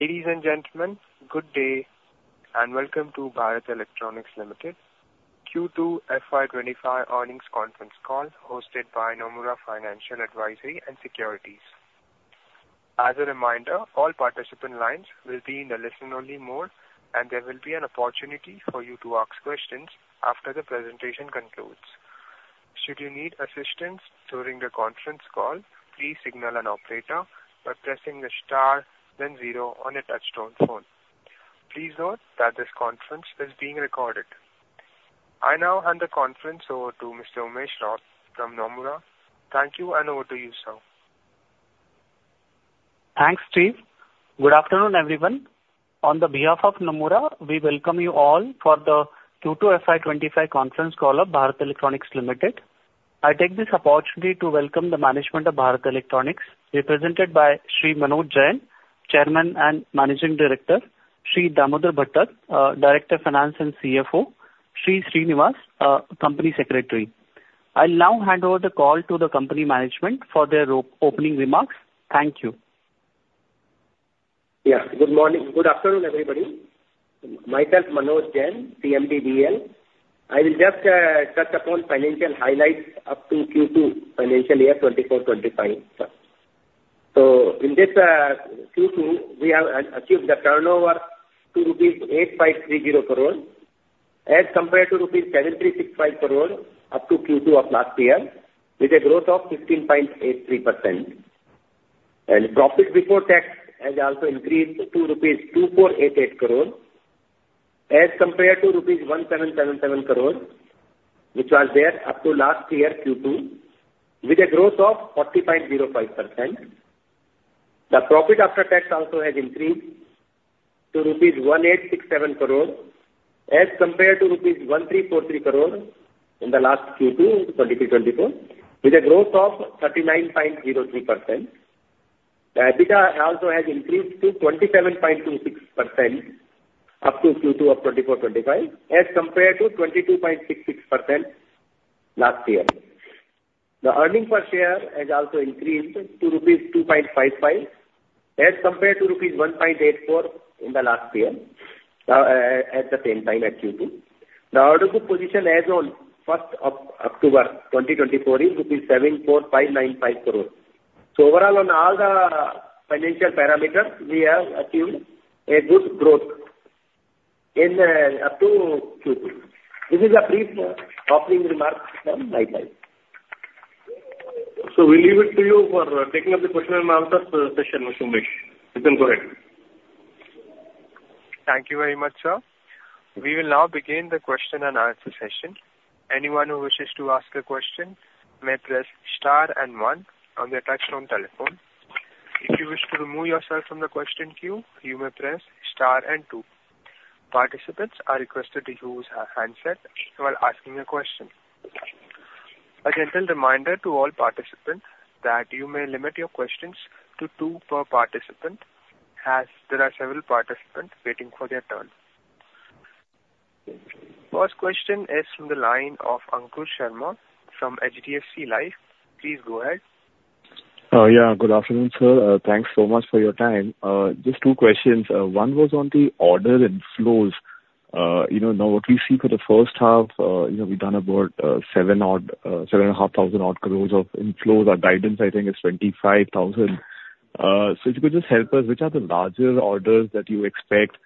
Ladies and gentlemen, good day, and welcome to Bharat Electronics Limited, Q2 FY 2025 earnings conference call, hosted by Nomura Financial Advisory and Securities. As a reminder, all participant lines will be in a listen-only mode, and there will be an opportunity for you to ask questions after the presentation concludes. Should you need assistance during the conference call, please signal an operator by pressing the star then zero on a touchtone phone. Please note that this conference is being recorded. I now hand the conference over to Mr. Umesh Raut from Nomura. Thank you, and over to you, sir. Thanks, Steve. Good afternoon, everyone. On behalf of Nomura, we welcome you all for the Q2 FY 2025 conference call of Bharat Electronics Limited. I take this opportunity to welcome the management of Bharat Electronics, represented by Sri Manoj Jain, Chairman and Managing Director, Sri Damodar Bhattacharyya, Director of Finance and CFO, Sri Sreenivas, Company Secretary. I'll now hand over the call to the company management for their opening remarks. Thank you. Yeah. Good morning, good afternoon, everybody. Myself, Manoj Jain, CMD, BEL. I will just touch upon financial highlights up to Q2, financial year 2024, 2025. So, in this Q2, we have achieved the turnover to rupees 8,530 crores, as compared to rupees 7,365 crores up to Q2 of last year, with a growth of 15.83%. And profit before tax has also increased to 2,488 crores, as compared to rupees 1,777 crores, which was there up to last year, Q2, with a growth of 40.05%. The profit after tax also has increased to rupees 1,867 crores, as compared to rupees 1,343 crores in the last Q2, 2023, 2024, with a growth of 39.03%. The EBITDA also has increased to 27.26% up to Q2 of 2024-2025, as compared to 22.66% last year. The earnings per share has also increased to rupees 2.55, as compared to rupees 1.84 in the last year, at the same time at Q2. The order book position as on first of October 2024 is 74,595 crore. So overall, on all the financial parameters, we have achieved a good growth in up to Q2. This is a brief opening remarks from my side. So we leave it to you for taking up the question-and-answer session, Umesh. You can go ahead. Thank you very much, sir. We will now begin the question and answer session. Anyone who wishes to ask a question may press star and one on their touch tone telephone. If you wish to remove yourself from the question queue, you may press star and two. Participants are requested to use a handset while asking a question. A gentle reminder to all participants, that you may limit your questions to two per participant, as there are several participants waiting for their turn. First question is from the line of Ankur Sharma from HDFC Life. Please go ahead. Yeah. Good afternoon, sir. Thanks so much for your time. Just two questions. One was on the order inflows. You know, now what we see for the first half, you know, we've done about seven odd, seven and a half thousand odd crores of inflows. Our guidance, I think, is 25,000 crore. So if you could just help us, which are the larger orders that you expect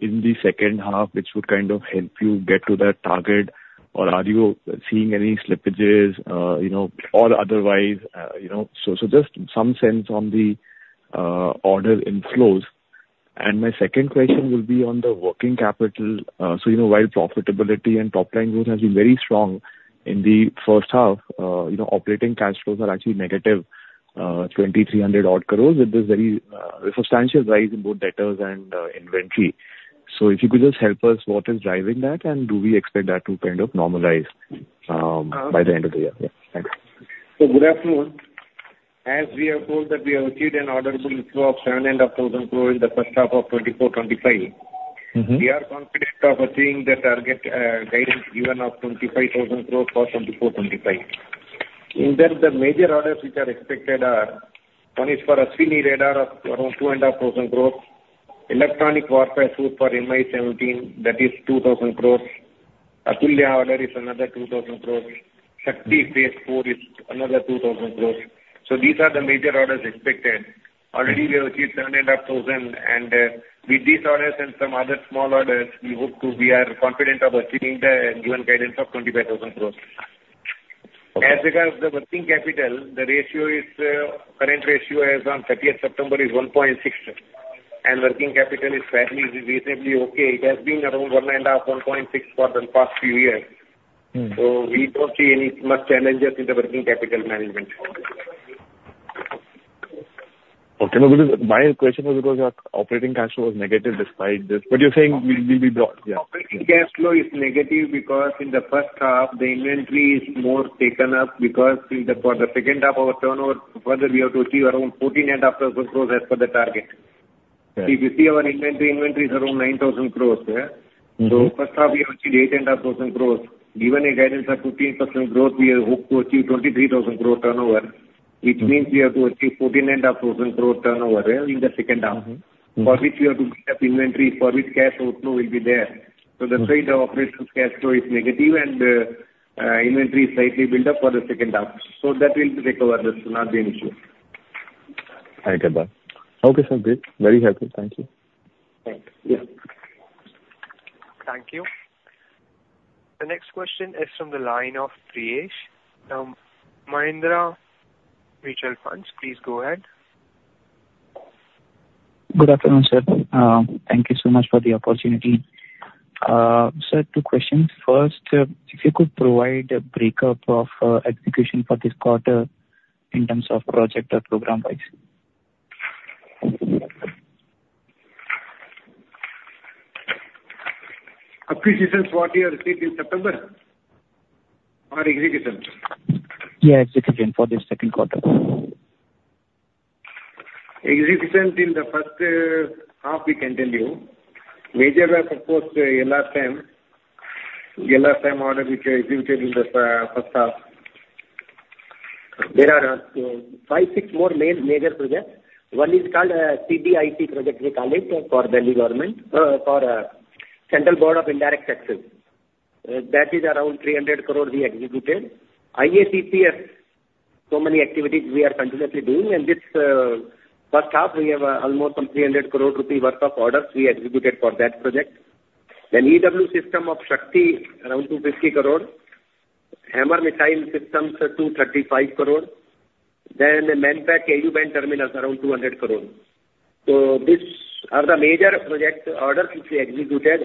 in the second half, which would kind of help you get to that target? Or are you seeing any slippages, you know, or otherwise, you know? So just some sense on the order inflows. And my second question will be on the working capital. So, you know, while profitability and top line growth has been very strong in the first half, you know, operating cash flows are actually negative 2,300-odd crores, with this very substantial rise in both debtors and inventory. So if you could just help us, what is driving that, and do we expect that to kind of normalize by the end of the year? Yeah, thanks. Good afternoon. As we have told that we have achieved an order book inflow of 7,500 crores in the first half of 2024-2025. Mm-hmm. We are confident of achieving the target, guidance given of 25,000 crores for 2024-2025. In that, the major orders which are expected are, one is for Ashwini Radar of around 2,500 crores, electronic warfare suite for Mi-17, that is 2,000 crores. Akash order is another 2,000 crores. Shakti phase IV is another 2,000 crores. So these are the major orders expected. Already we have achieved 7,500, and, with these orders and some other small orders, we hope to, we are confident of achieving the given guidance of 25,000 crores. Okay. As regards the working capital, the current ratio as on thirtieth September is 1.6, and working capital is fairly, reasonably okay. It has been around 1.5, 1.6, for the past few years. Mm. So we don't see any much challenges in the working capital management. Okay. No, because my question was because your operating cash flow is negative despite this, but you're saying we- Operating cash flow is negative because in the first half, the inventory is more taken up because in, for the second half of our turnover, further we have to achieve around 14.5% growth as per the target. Right. If you see our inventory, it is around 9,000 crores, yeah? Mm-hmm. First half, we achieved 8,500 crores. Given a guidance of 15% growth, we hope to achieve 23,000 crores turnover. It means we have to achieve 14.5% growth turnover in the second half. Mm-hmm. Mm-hmm. For which we have to build up inventory, for which cash outflow will be there. Mm-hmm. So that's why the operational cash flow is negative, and inventory is slightly built up for the second half. So that will recover. This will not be an issue. I get that. Okay, sir, great. Very helpful. Thank you. Thank you. Thank you. The next question is from the line of Priyesh from Mahindra Manulife Mutual Fund. Please go ahead. Good afternoon, sir. Thank you so much for the opportunity. Sir, two questions. First, if you could provide a break-up of execution for this quarter in terms of project or program-wise. Acquisitions, what we have received in September, or execution? Yeah, execution for this second quarter. Execution in the first half we can tell you. Major was, of course, LRSAM. LRSAM order which executed in the first half. There are five, six more major projects. One is called CBIC project we called it, for Delhi government, for Central Board of Indirect Taxes. That is around 300 crore we executed. IACCS, so many activities we are continuously doing, and this first half, we have almost some 300 crore rupee worth of orders we executed for that project. Then EW system of Shakti, around 250 crore. Hamel systems, 235 crore. Then Manpack Ku-Band Terminal, around 200 crore. So these are the major project orders which we executed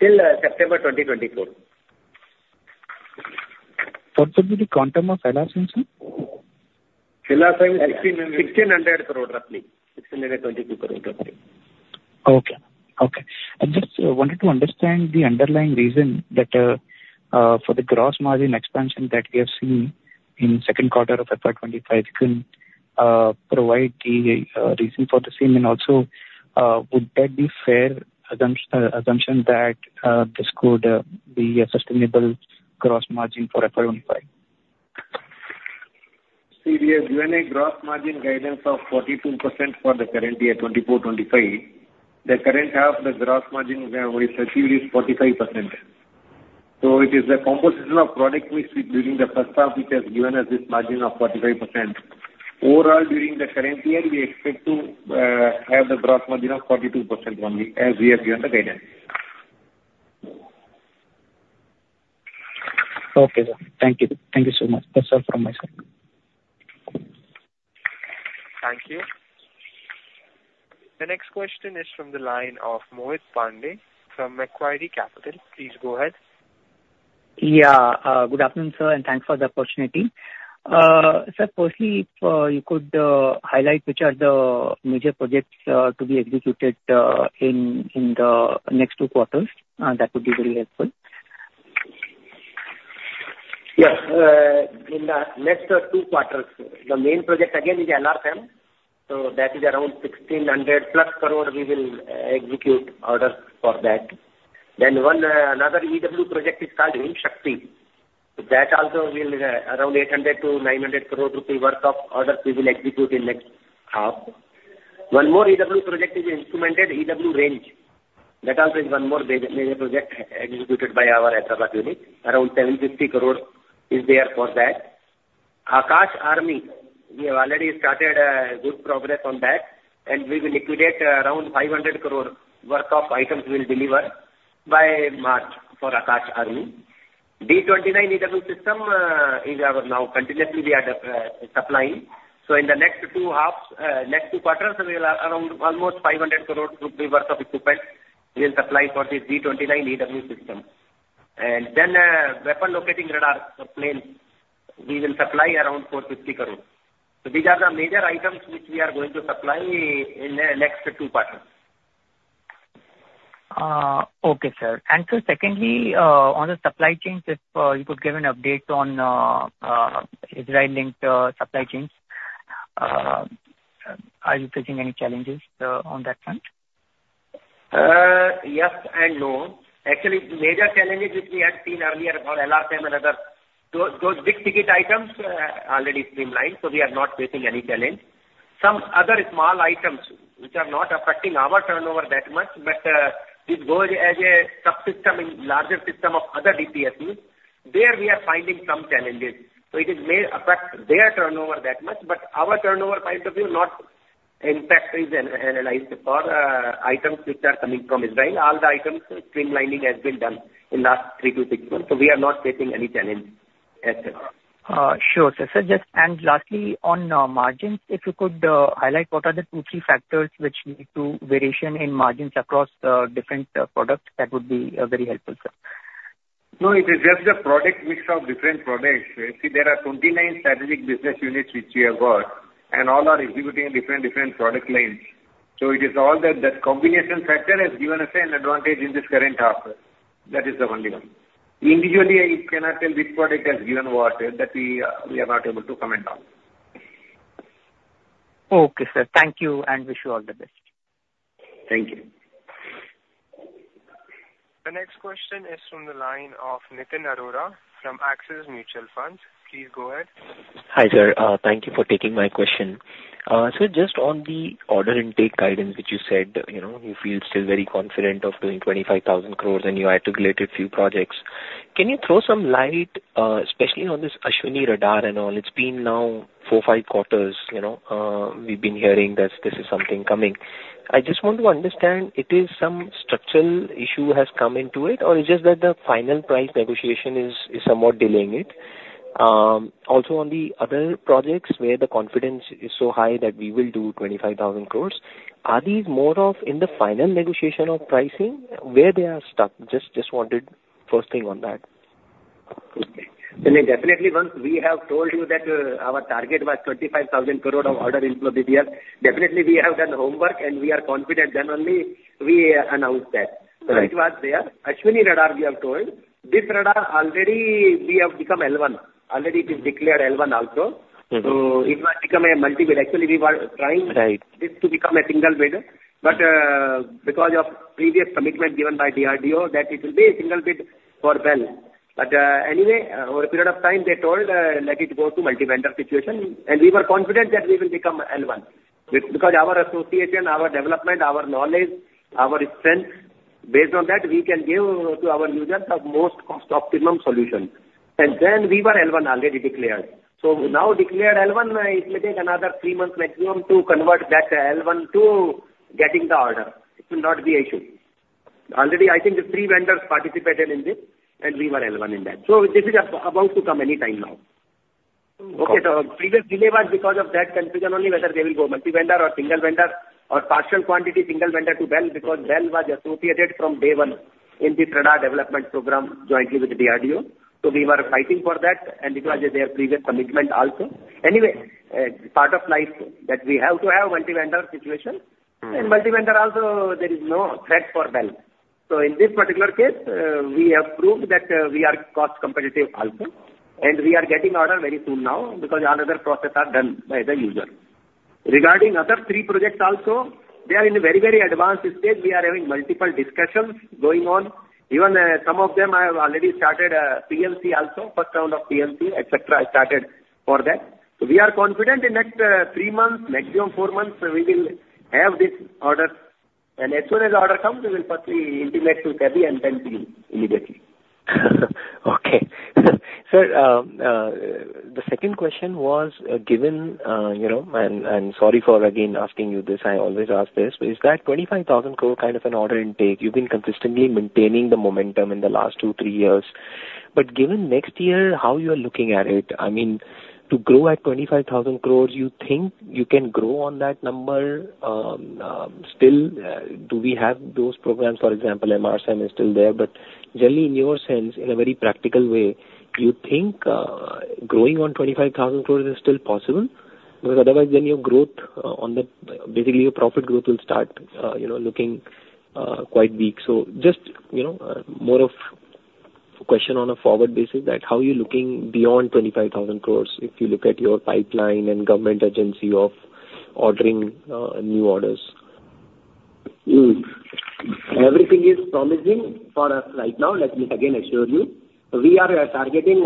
till September 2024. For the quantity quantum of LRSAM, sir? LRSAM, INR 1,600 crore roughly. INR 1,622 crore roughly. Okay. Okay. I just wanted to understand the underlying reason that for the gross margin expansion that we have seen in second quarter of FY 2025, you can provide the reason for the same, and also, would that be fair assumption that this could be a sustainable gross margin for FY 2025? See, we have given a gross margin guidance of 42% for the current year, 2024-2025. The current half, the gross margin, we achieved is 45%. So it is the composition of product mix which during the first half, which has given us this margin of 45%. Overall, during the current year, we expect to have the gross margin of 42% only, as we have given the guidance. Okay, sir. Thank you. Thank you so much. That's all from my side. Thank you. The next question is from the line of Mohit Pandey from Macquarie Capital. Please go ahead. Yeah, good afternoon, sir, and thanks for the opportunity. Sir, firstly, if you could highlight which are the major projects to be executed in the next two quarters, that would be very helpful. Yes. In the next two quarters, the main project again is LRSAM, so that is around 1,600+ crore we will execute orders for that. Then one another EW project is called INS Shakti. That also will around 800 crore-900 crore rupee worth of orders we will execute in next half. One more EW project is Instrumented EW Range. That also is one more major project executed by our Hyderabad unit. Around 1,050 crore is there for that. Akash Army, we have already started good progress on that, and we will liquidate around 500 crore worth of items we'll deliver by March for Akash Army. D-29 EW system is now continuously we are supplying. In the next two halves, next two quarters, we'll around almost 500 crore rupees worth of equipment we'll supply for the D-29 EW system. And then, weapon locating radar for Egypt, we will supply around 450 crore. These are the major items which we are going to supply in next two quarters. Okay, sir. And sir, secondly, on the supply chains, if you could give an update on Israel-linked supply chains, are you facing any challenges on that front? Yes and no. Actually, major challenges which we had seen earlier for LRSAM and other, those big-ticket items, already streamlined, so we are not facing any challenge. Some other small items which are not affecting our turnover that much, but it goes as a subsystem in larger system of other DPSUs, there, we are finding some challenges. So it may affect their turnover that much, but our turnover point of view, not impact is analyzed for items which are coming from Israel. All the items, streamlining has been done in last three to six months, so we are not facing any challenge as such. Sure, sir. Sir, just... And lastly, on margins, if you could highlight what are the two, three factors which lead to variation in margins across different products, that would be very helpful, sir. No, it is just the product mix of different products. See, there are 29 strategic business units which we have got, and all are executing different product lines. So it is all that combination factor has given us an advantage in this current half, sir. That is the only one. Individually, I cannot tell which product has given what, that we are not able to comment on. Okay, sir. Thank you, and wish you all the best. Thank you. ...The next question is from the line of Nitin Arora from Axis Mutual Fund. Please go ahead. Hi, sir. Thank you for taking my question. So just on the order intake guidance, which you said, you know, you feel still very confident of doing 25,000 crore and you articulated few projects. Can you throw some light, especially on this Ashwini Radar and all? It's been now four, five quarters, you know, we've been hearing that this is something coming. I just want to understand, it is some structural issue has come into it, or it's just that the final price negotiation is somewhat delaying it? Also on the other projects where the confidence is so high that we will do 25,000 crore, are these more of in the final negotiation of pricing where they are stuck? Just wanted first thing on that. Okay. Definitely, once we have told you that, our target was 25,000 crore of order inflow this year, definitely we have done homework, and we are confident then only we announce that. Right. So it was there. Ashwini Radar, we have told, this radar already we have become L1. Already it is declared L1 also. Mm-hmm. So it might become a multi-bid. Actually, we were trying- Right... this to become a single bid, but because of previous commitment given by DRDO, that it will be a single bid for BEL. Anyway, over a period of time, they told, let it go to multi-vendor situation, and we were confident that we will become L1. Because our association, our development, our knowledge, our strength, based on that, we can give to our users the most cost optimum solution. Then we were L1 already declared. Now declared L1, it will take another three months maximum to convert that L1 to getting the order. It will not be issue. Already, I think the three vendors participated in this, and we were L1 in that. This is about to come any time now. Okay, so previous delay was because of that confusion only, whether they will go multi-vendor or single vendor, or partial quantity single vendor to BEL, because BEL was associated from day one in the radar development program, jointly with the DRDO. So we were fighting for that, and it was their previous commitment also. Anyway, part of life that we have to have multi-vendor situation. Mm-hmm. And multi-vendor also, there is no threat for BEL. So in this particular case, we have proved that, we are cost competitive also, and we are getting order very soon now, because all other processes are done by the user. Regarding other three projects also, they are in a very, very advanced state. We are having multiple discussions going on. Even, some of them I have already started, PMC also, first round of PMC, et cetera, I started for that. So we are confident in next, three months, maximum four months, we will have this order. And as soon as order comes, we will firstly intimate to CBIC and then to you, immediately. Okay. Sir, the second question was, given, you know, and sorry for again asking you this, I always ask this, is that 25,000 crore kind of an order intake, you've been consistently maintaining the momentum in the last two, three years. But given next year, how you are looking at it? I mean, to grow at 25,000 crores, you think you can grow on that number? Still, do we have those programs, for example, MRSAM is still there, but generally in your sense, in a very practical way, do you think, growing on 25,000 crores is still possible? Because otherwise, then your growth, on the, basically your profit growth will start, you know, looking, quite weak. So just, you know, more of a question on a forward basis, that how are you looking beyond 25,000 crores, if you look at your pipeline and government agencies ordering new orders? Hmm. Everything is promising for us right now, let me again assure you. We are targeting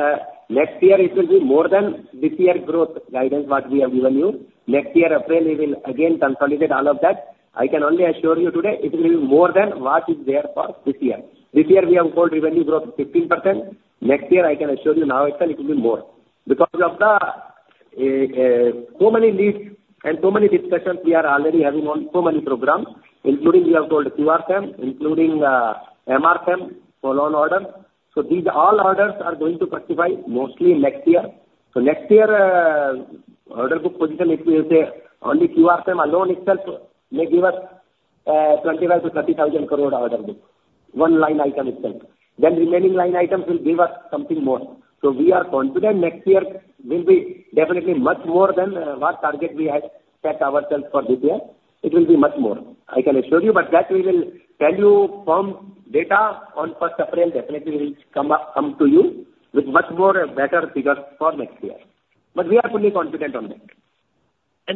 next year it will be more than this year growth guidance, what we have given you. Next year, April, we will again consolidate all of that. I can only assure you today, it will be more than what is there for this year. This year we have called revenue growth 15%. Next year, I can assure you now itself, it will be more. Because of the so many leads and so many discussions we are already having on so many programs, including we have called QRSAM, including MRSAM for L1 order. So these all orders are going to justify mostly next year. Next year, order book position, if you say, only QRSAM alone itself may give us, 25,000 crore-30,000 crore order book, one line item itself. Then remaining line items will give us something more. We are confident next year will be definitely much more than, what target we had set ourselves for this year. It will be much more, I can assure you, but that we will tell you from data on first April, definitely will come up, come to you with much more, better figures for next year. But we are fully confident on that.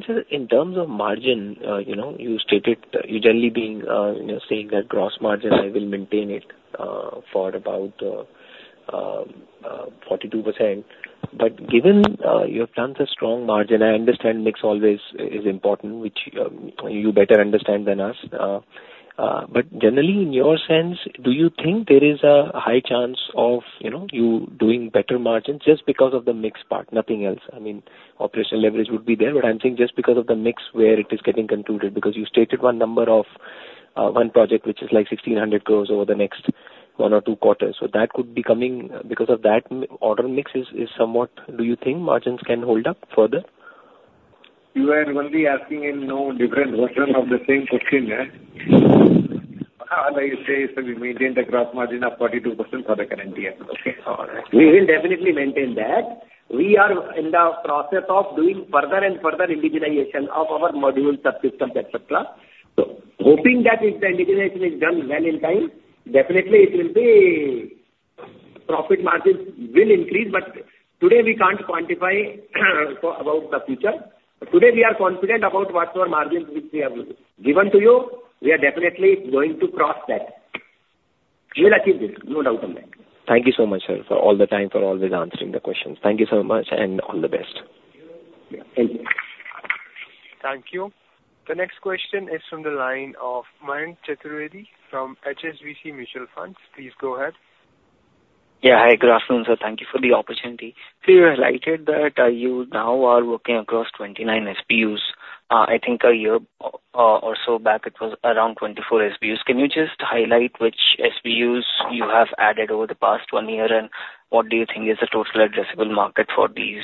Sir, in terms of margin, you know, you stated, you generally being, you know, saying that gross margin I will maintain it for about 42%. But given your plans are strong margin, I understand mix always is important, which you better understand than us. But generally in your sense, do you think there is a high chance of, you know, you doing better margins just because of the mix part, nothing else? I mean, operational leverage would be there, but I'm saying just because of the mix where it is getting concluded, because you stated one number of one project, which is like 1600 crores over the next one or two quarters. So that could be coming because of that margin mix is somewhat. Do you think margins can hold up further? You are only asking in no different version of the same question? You say, so we maintain the gross margin of 42% for the current year. Okay. All right. We will definitely maintain that. We are in the process of doing further and further indigenization of our modules, subsystems, et cetera. So hoping that if the indigenization is done well in time, definitely it will be profit margins will increase, but today we can't quantify about the future. But today, we are confident about what our margins which we have given to you, we are definitely going to cross that. We will achieve this, no doubt on that. Thank you so much, sir, for all the time, for always answering the questions. Thank you so much, and all the best. Yeah, thank you. Thank you. The next question is from the line of Mayank Chaturvedi from HSBC Mutual Fund. Please go ahead. Yeah. Hi, good afternoon, sir. Thank you for the opportunity. So you highlighted that you now are working across 29 SBUs. I think a year or so back, it was around 24 SBUs. Can you just highlight which SBUs you have added over the past one year, and what do you think is the total addressable market for these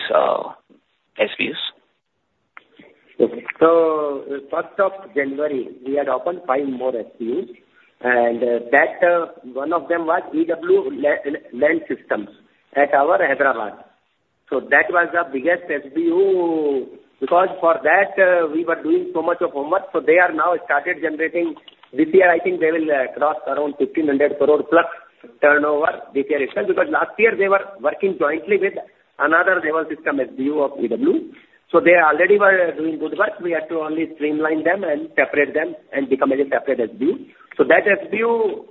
SBUs? Okay. So, first of January, we had opened five more SBUs, and that one of them was EW Land Systems at our Hyderabad. So that was the biggest SBU, because for that we were doing so much of homework, so they are now started generating. This year, I think they will cross around 1,500 crore plus turnover this year itself, because last year they were working jointly with another naval system SBU of EW. So they already were doing good work. We had to only streamline them and separate them, and become a separate SBU. So that SBU,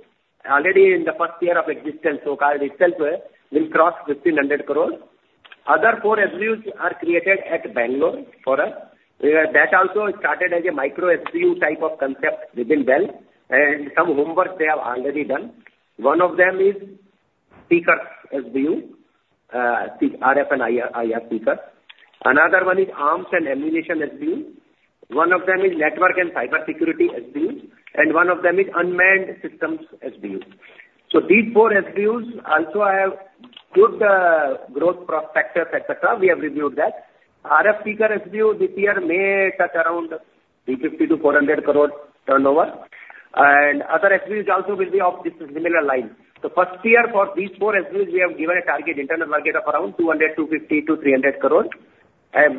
already in the first year of existence, so called itself, will cross 1,500 crore. Other four SBUs are created at Bangalore for us. That also started as a micro SBU type of concept within BEL, and some homework they have already done. One of them is RF and IR SBU. Another one is Arms and Ammunition SBU, one of them is Network and Cybersecurity SBU, and one of them is Unmanned Systems SBU. So these four SBUs also have good growth prospects, et cetera. We have reviewed that. RF SBU this year may touch around 350-400 crores turnover, and other SBUs also will be of this similar line. So first year for these four SBUs, we have given a target, internal target of around 200 crores, 250 crores-300 crores,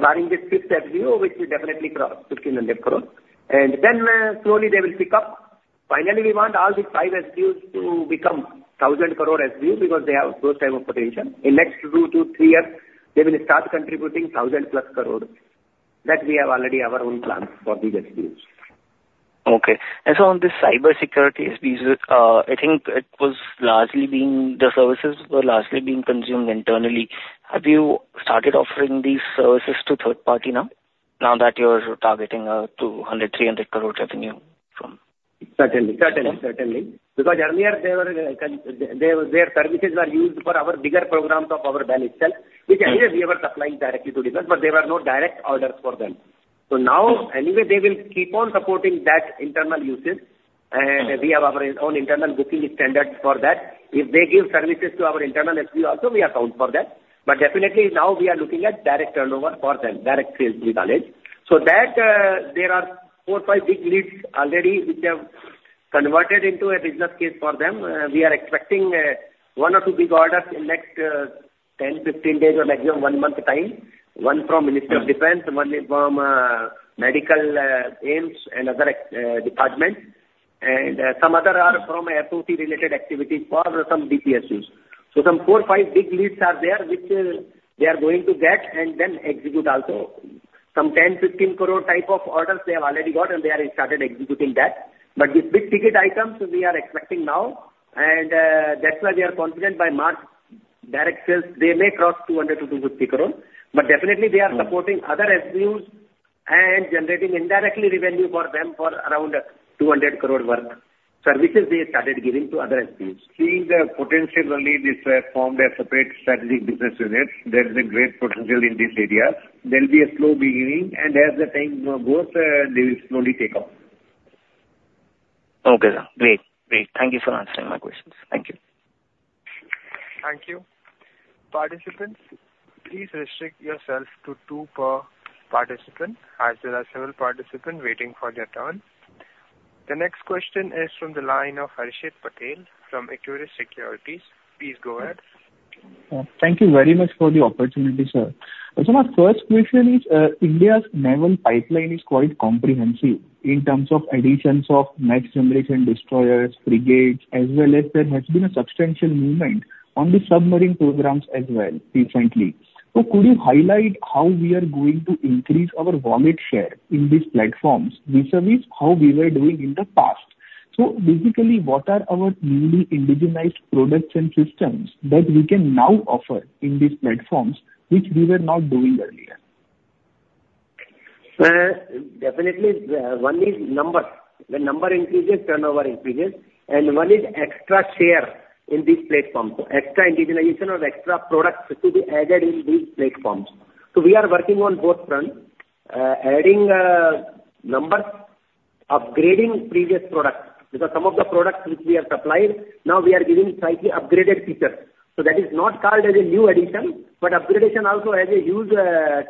barring this sixth SBU, which will definitely cross 1,500 crores. And then, slowly they will pick up. Finally, we want all the five SBUs to become thousand-crore SBU because they have those type of potential. In next two to three years, they will start contributing 1,000+ crore. That we have already our own plans for these SBUs. Okay. And so on this cybersecurity SBUs, I think the services were largely being consumed internally. Have you started offering these services to third party now that you're targeting 200 crores-300 crores revenue from? Certainly. Certainly, certainly. Okay. Because earlier they were, their services were used for our bigger programs of our bank itself. Mm-hmm. Which anyway we were supplying directly to the bank, but there were no direct orders for them. So now, anyway, they will keep on supporting that internal usage. Mm-hmm. We have our own internal booking standards for that. If they give services to our internal SBU also, we account for that. Definitely now we are looking at direct turnover for them, direct sales to be done. That, there are four, five big leads already, which have converted into a business case for them. We are expecting one or two big orders in next 10-15 days or maximum one month time. One from- Mm-hmm. Minister of Defense, one is from medical, AIIMS and other executive departments, and some other are from FOC related activities for some DPSUs. So some four, five big leads are there, which they are going to get and then execute also. Some 10, 15 crore type of orders they have already got, and they are started executing that. But these big-ticket items we are expecting now, and that's why we are confident by March, direct sales, they may cross 200 crores-250 crores. But definitely they are- Mm-hmm. Supporting other SBUs and generating indirectly revenue for them for around two hundred crore worth services they started giving to other SBUs. Seeing the potential only, this formed a separate strategic business units. There is a great potential in this area. There'll be a slow beginning, and as the time goes, they will slowly take off. Okay, sir. Great. Great. Thank you for answering my questions. Thank you. Thank you. Participants, please restrict yourself to two per participant, as there are several participants waiting for their turn. The next question is from the line of Harshit Patel from Equirus Securities. Please go ahead. Thank you very much for the opportunity, sir. So my first question is, India's naval pipeline is quite comprehensive in terms of additions of next-generation destroyers, frigates, as well as there has been a substantial movement on the submarine programs as well recently. So could you highlight how we are going to increase our wallet share in these platforms vis-a-vis how we were doing in the past? So basically, what are our newly indigenized products and systems that we can now offer in these platforms, which we were not doing earlier? Definitely, one is numbers. When number increases, turnover increases, and one is extra share in these platforms. So extra indigenization or extra products to be added in these platforms. So we are working on both fronts. Adding numbers, upgrading previous products, because some of the products which we have supplied, now we are giving slightly upgraded features. So that is not called as a new addition, but upgradation also has a huge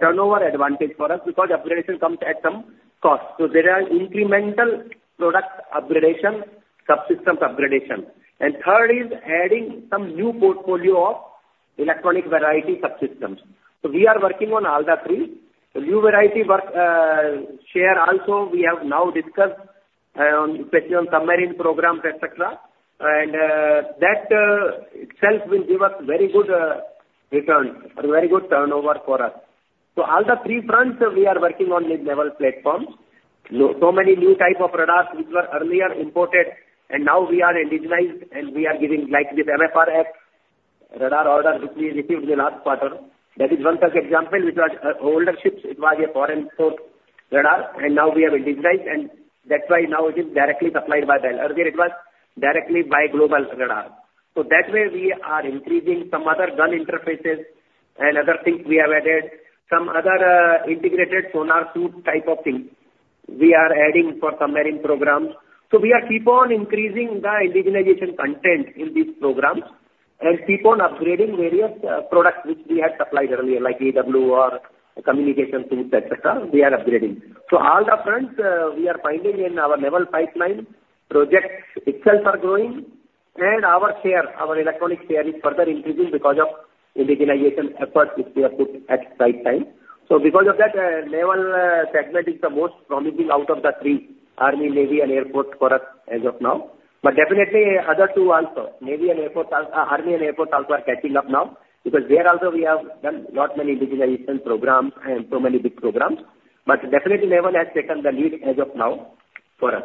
turnover advantage for us, because upgradation comes at some cost. So there are incremental product upgradation, subsystems upgradation. And third is adding some new portfolio of electronic variety subsystems. So we are working on all the three. New variety work, share also, we have now discussed, especially on submarine programs, et cetera. And that itself will give us very good return or very good turnover for us. So all the three fronts we are working on with naval platforms. So many new type of radars which were earlier imported, and now we are indigenized, and we are giving, like with MFR radar order, which we received in last quarter. That is one such example, which was for older ships. It was a foreign port radar, and now we have indigenized, and that's why now it is directly supplied by BEL. Earlier it was directly by global radar. So that way we are increasing some other gun interfaces and other things we have added. Some other, integrated sonar suite type of things we are adding for submarine programs. So we are keep on increasing the indigenization content in these programs and keep on upgrading various, products which we had supplied earlier, like EW or communication suites, et cetera, we are upgrading. So all the fronts, we are finding in our naval pipeline, projects itself are growing, and our share, our electronic share is further increasing because of indigenization efforts which we have put at right time. So because of that, naval segment is the most promising out of the three, army, navy, and air force for us as of now. But definitely, other two also, navy and air force, army and air force also are catching up now, because there also we have done lot many indigenization programs and so many big programs. But definitely, naval has taken the lead as of now for us.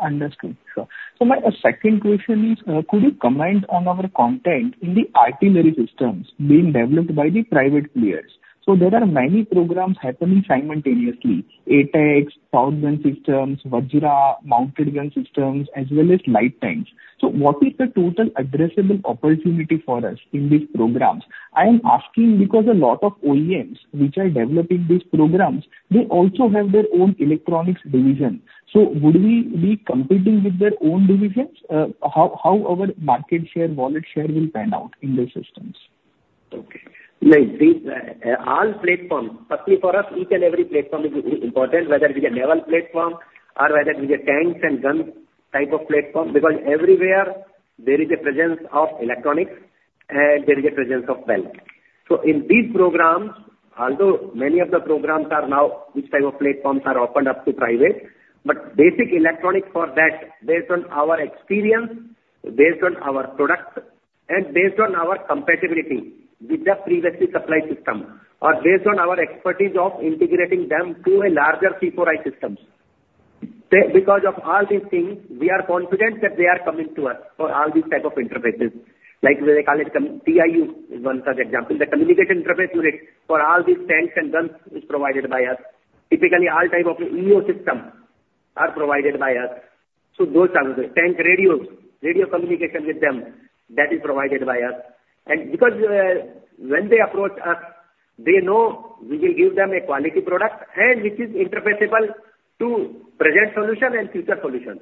Understood. Sure. So my second question is, could you comment on our content in the artillery systems being developed by the private players? So there are many programs happening simultaneously, ATAGS, Towed Gun Systems, Vajra, Mounted Gun Systems, as well as Light Tanks. So what is the total addressable opportunity for us in these programs? I am asking because a lot of OEMs which are developing these programs, they also have their own electronics division. So would we be competing with their own divisions? How our market share, wallet share, will pan out in these systems? Okay. Like, these all platforms, firstly, for us, each and every platform is important, whether it is a naval platform or whether it is a tanks and guns type of platform, because everywhere there is a presence of electronics and there is a presence of BEL. So in these programs, although many of the programs are now, which type of platforms are opened up to private, but basic electronics for that, based on our experience, based on our products, and based on our compatibility with the previously supplied system, or based on our expertise of integrating them to a larger C4I system. The, because of all these things, we are confident that they are coming to us for all these type of interfaces. Like we call it, TIU is one such example. The communication interface unit for all these tanks and guns is provided by us. Typically, all types of EO systems are provided by us. So those are the tank radios, radio communication with them, that is provided by us. And because, when they approach us, they know we will give them a quality product, and which is interoperable to present solution and future solution.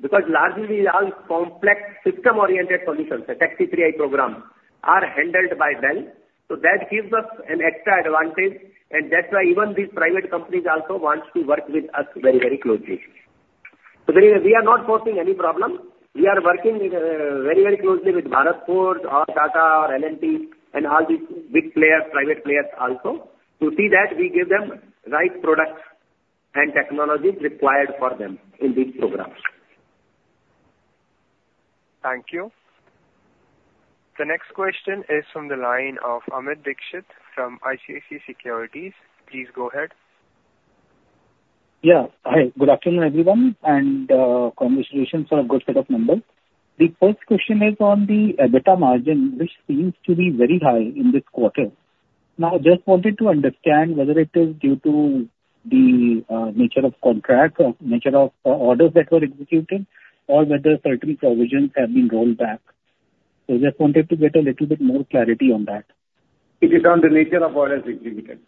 Because largely all complex system-oriented solutions, like C3I programs, are handled by BEL, so that gives us an extra advantage, and that's why even these private companies also want to work with us very, very closely. Anyway, we are not facing any problem. We are working very, very closely with Bharat Forge, or Tata, or L&T and all these big players, private players also, to see that we give them right products and technologies required for them in these programs. Thank you. The next question is from the line of Amit Dixit from ICICI Securities. Please go ahead. Yeah. Hi, good afternoon, everyone, and, congratulations on a good set of numbers. The first question is on the EBITDA margin, which seems to be very high in this quarter. Now, I just wanted to understand whether it is due to the nature of contracts or nature of orders that were executed, or whether certain provisions have been rolled back. So just wanted to get a little bit more clarity on that. It is on the nature of orders executed.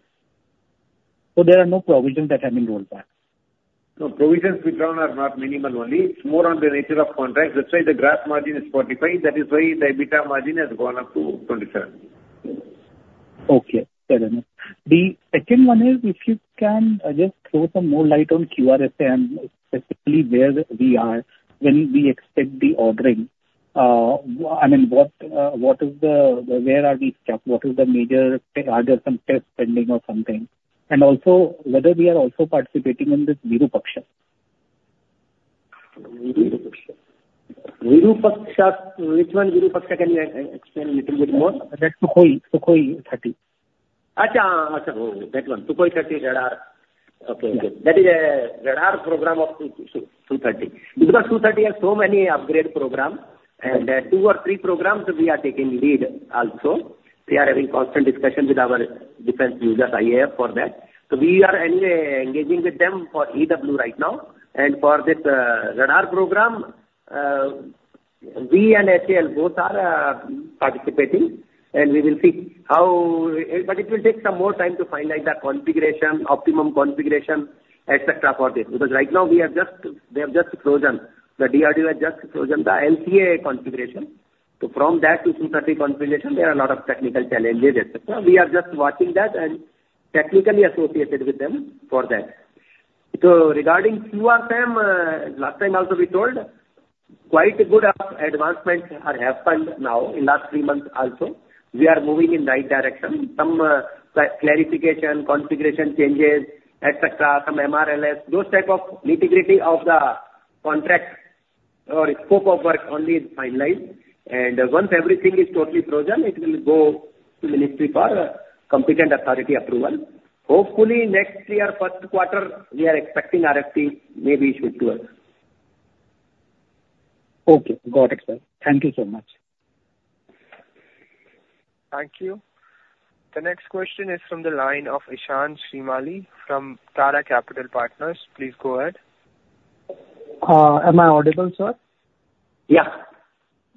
So there are no provisions that have been rolled back? No, provisions we run are not minimal only. It's more on the nature of contracts. That's why the gross margin is 45%. That is why the EBITDA margin has gone up to 27%. Okay, fair enough. The second one is, if you can just throw some more light on QRSAM, specifically where we are, when we expect the ordering. I mean, what is the where are we stuck? What is the major- Are there some tests pending or something? And also, whether we are also participating in this Virupaksha? Virupaksha. Virupaksha, which one Virupaksha? Can you explain a little bit more? That's Sukhoi, Sukhoi-30. Acha! Acha, oh, that one. Sukhoi-30 radar. Okay. That is a radar program of Su-30. Because Su-30 has so many upgrade program, and two or three programs we are taking lead also. We are having constant discussion with our defense users, IAF, for that. So we are anyway engaging with them for EW right now. And for this radar program, we and HAL both are participating, and we will see how. But it will take some more time to finalize the configuration, optimum configuration, et cetera, for this. Because right now we have just, they have just chosen, the DRDO has just chosen the LCA configuration. So from that Su-30 configuration, there are a lot of technical challenges, et cetera. We are just watching that and technically associated with them for that. So regarding QRSAM, last time also we told, quite a good amount of advancements are happened now in last three months also. We are moving in the right direction. Some clarification, configuration changes, etc., some MRSAM, those type of nitty-gritty of the contract or scope of work only is finalized. And once everything is totally frozen, it will go to ministry for competent authority approval. Hopefully, next year, first quarter, we are expecting RFP, maybe should work. Okay, got it, sir. Thank you so much. Thank you. The next question is from the line of Ishan Shrimali from Tara Capital Partners. Please go ahead. Am I audible, sir? Yeah.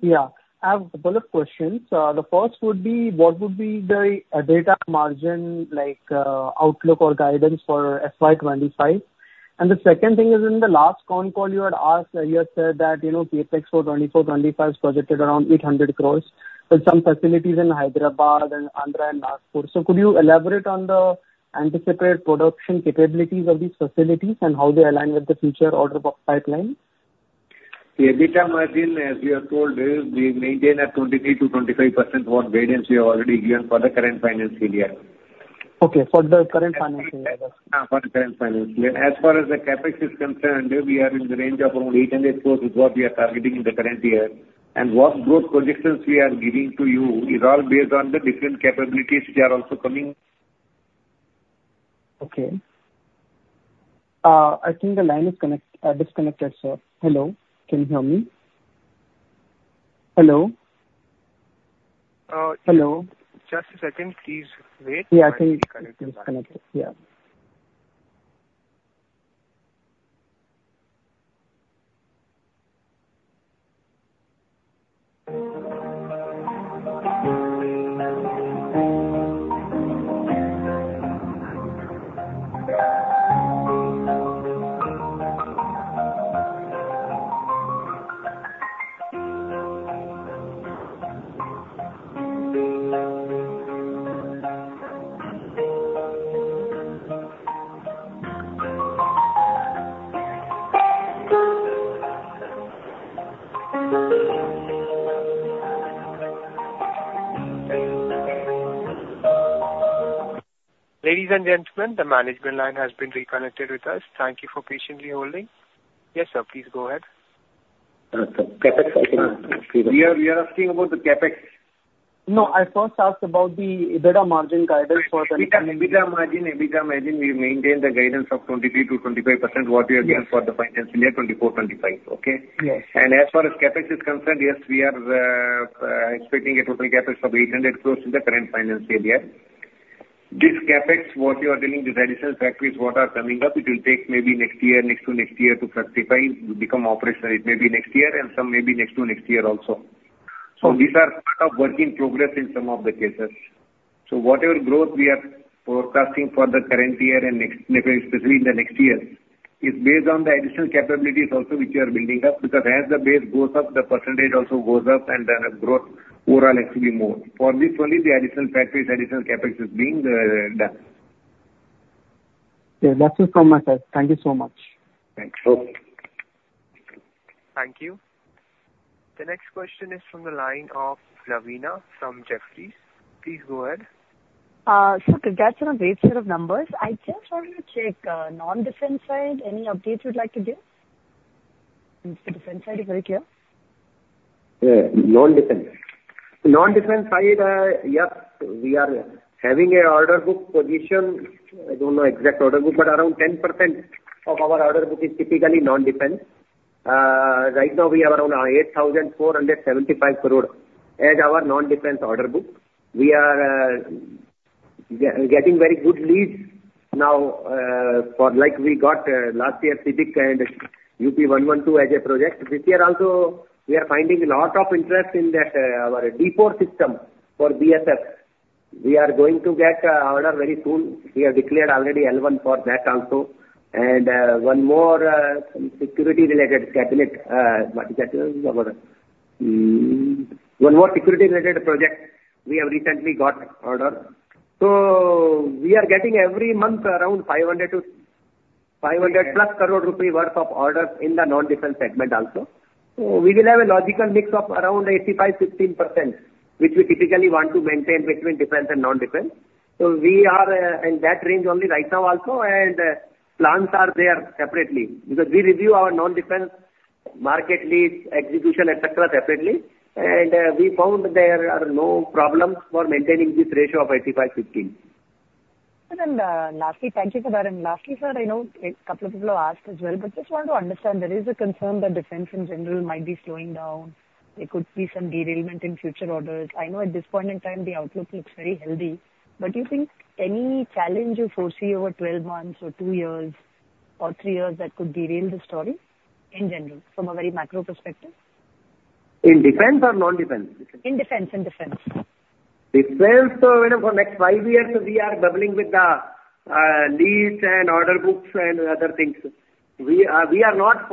Yeah. I have a couple of questions. The first would be, what would be the EBITDA margin, like, outlook or guidance for FY 2025? And the second thing is, in the last con call you had asked, you had said that, you know, CapEx for 2024-2025 is projected around 800 crore, with some facilities in Hyderabad and Andhra and Nagpur. So could you elaborate on the anticipated production capabilities of these facilities and how they align with the future order book pipeline? The EBITDA margin, as we have told, is we maintain at 23%-25%, what guidance we have already given for the current financial year. Okay, for the current financial year. For the current financial year. As far as the CapEx is concerned, we are in the range of around 800 crores is what we are targeting in the current year. What growth projections we are giving to you is all based on the different capabilities which are also coming. Okay. I think the line is connected, disconnected, sir. Hello, can you hear me? Hello? Hello. Just a second. Please wait. Yeah, I think disconnected. Yeah. Ladies and gentlemen, the management line has been reconnected with us. Thank you for patiently holding. Yes, sir, please go ahead. So, CapEx question. We are asking about the CapEx. No, I first asked about the EBITDA margin guidance for the- EBITDA margin, EBITDA margin, we maintain the guidance of 23%-25%, what we have done for the financial year 2024-2025, okay? Yes. As far as CapEx is concerned, yes, we are expecting a total CapEx of INR 800 crore in the current financial year. This CapEx, what you are telling, these additional factories what are coming up, it will take maybe next year, next to next year to rectify, become operational. It may be next year, and some may be next to next year also. So these are part of work in progress in some of the cases. So whatever growth we are forecasting for the current year and next, maybe especially in the next year, is based on the additional capabilities also, which we are building up, because as the base goes up, the percentage also goes up, and then the growth overall actually more. For this only, the additional factories, additional CapEx is being done. Yeah, that's it from my side. Thank you so much. Thanks. Thank you. The next question is from the line of Lavina from Jefferies. Please go ahead. So congrats on a great set of numbers. I just wanted to check, non-defense side, any updates you'd like to give? In the defense side, very clear. Non-defense. Non-defense side, yes, we are having an order book position. I don't know exact order book, but around 10% of our order book is typically non-defense. Right now, we have around 8,475 crore as our non-defense order book. We are getting very good leads now, for like we got last year, CBIC and UP 112 as a project. This year also, we are finding a lot of interest in that, our D4 System for BSS. We are going to get order very soon. We have declared already L1 for that also. One more security related project we have recently got order. So we are getting every month around 500 crore rupees-INR 500+crore rupee worth of orders in the non-defense segment also, so we will have a logical mix of around 85-15%, which we typically want to maintain between defense and non-defense. So we are in that range only right now also, and plans are there separately, because we review our non-defense market leads, execution, etc., separately, and we found there are no problems for maintaining this ratio of 80 by 15%. Lastly, thank you for that. Lastly, sir, I know a couple of people have asked as well, but just want to understand, there is a concern that defense in general might be slowing down. There could be some derailment in future orders. I know at this point in time, the outlook looks very healthy, but do you think any challenge you foresee over twelve months or two years or three years that could derail the story in general, from a very macro perspective? In defense or non-defense? In defense, in defense. Defense. So, you know, for next five years, we are bubbling with the leads and order books and other things. We are not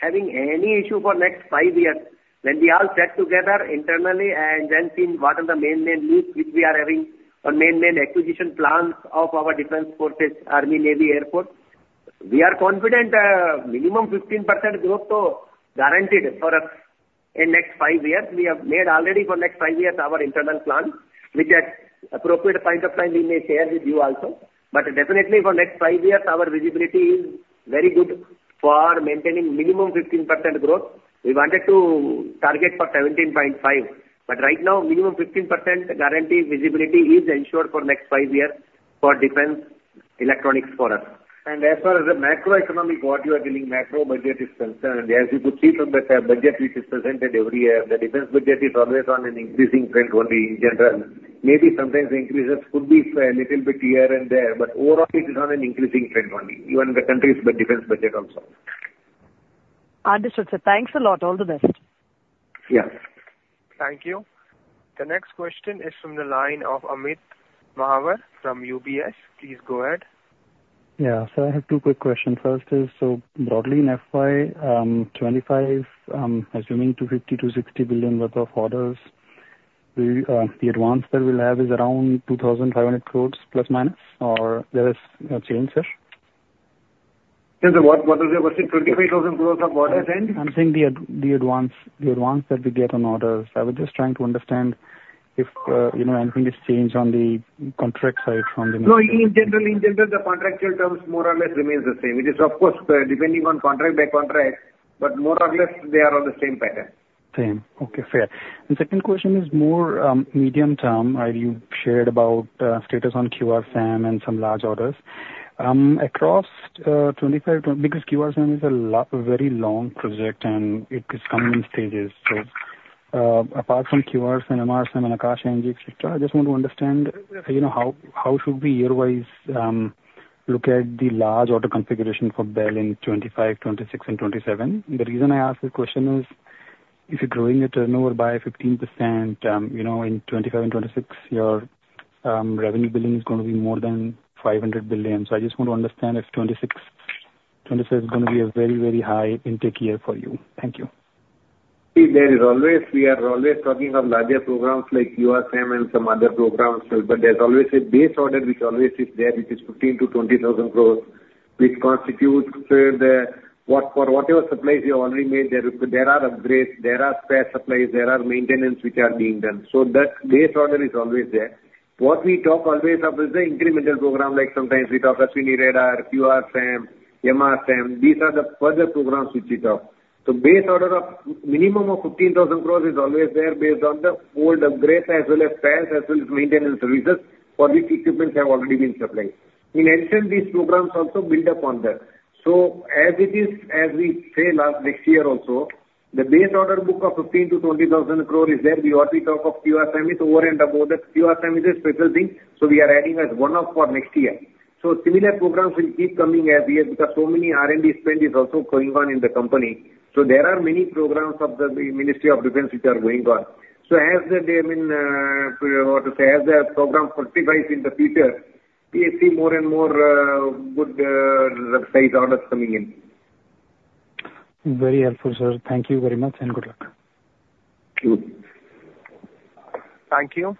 having any issue for next five years. When we all sat together internally and then seen what are the main, main leads which we are having, or main, main acquisition plans of our defense forces, army, navy, air force, we are confident, minimum 15% growth, so guaranteed for us in next five years. We have made already for next five years our internal plan, which at appropriate point of time, we may share with you also. But definitely for next five years, our visibility is very good for maintaining minimum 15% growth. We wanted to target for 17.5%, but right now minimum 15% guarantee visibility is ensured for next five years for defense electronics for us. And as far as the macroeconomic, what you are telling, macro budget is concerned, as you could see from the budget which is presented every year, the defense budget is always on an increasing trend only in general. Maybe sometimes the increases could be a little bit here and there, but overall it is on an increasing trend only, even the country's defense budget also. Understood, sir. Thanks a lot. All the best. Yes. Thank you. The next question is from the line of Amit Mahawar from UBS. Please go ahead. Yeah. So I have two quick questions. First is, so broadly in FY 2025, assuming 250 billion-260 billion worth of orders, we, the advance that we'll have is around 2,500 crore, plus or minus, or there is a change, sir? Since what, what was it? 25,000 crores of orders end? I'm saying the advance that we get on orders. I was just trying to understand if, you know, anything has changed on the contract side from the- No, in general, the contractual terms more or less remains the same. It is, of course, depending on contract by contract, but more or less they are on the same pattern. Same. Okay, fair. The second question is more medium term. You shared about status on QRSAM and some large orders. Across 2025, because QRSAM is a very long project and it is coming in stages. So, apart from QRSAM and MRSAM and Akash NG, et cetera, I just want to understand, you know, how should we year-wise look at the large order configuration for BEL in 2025, 2026 and 2027? The reason I ask this question is, if you're growing the turnover by 15%, you know, in 2025 and 2026, your revenue billing is going to be more than 500 billion. So I just want to understand if 2026-2027 is going to be a very, very high intake year for you. Thank you. There is always. We are always talking of larger programs like QRSAM and some other programs, but there's always a base order which always is there, which is 15,000 crores-20,000 crores, which constitutes for whatever supplies you have already made. There are upgrades, there are spare supplies, there are maintenance which are being done. So that base order is always there. What we talk always of is the incremental program, like sometimes we talk Ashwini Radar, QRSAM, MRSAM. These are the further programs which we talk. So base order of minimum of 15,000 crores is always there, based on the old upgrades as well as sales, as well as maintenance services, for which equipments have already been supplied. In addition, these programs also build upon that. So as it is, as we say last, this year also, the base Order Book of 15,000 crore-20,000 crore is there. We already talk of QRSAM is over and above that. QRSAM is a special thing, so we are adding as one off for next year. So similar programs will keep coming as we have, because so many R&D spend is also going on in the company. So there are many programs of the Ministry of Defense which are going on. So as the, I mean, what to say, as the program fructifies in the future, we see more and more, good, in size orders coming in. Very helpful, sir. Thank you very much, and good luck. Thank you. Thank you.